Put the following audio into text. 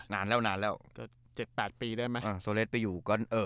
นานแล้วนานแล้วก็เจ็ดแปดปีได้ไหมอ่าโซเลสไปอยู่ก็เออ